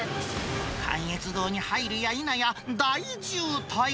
関越道に入るや否や、大渋滞。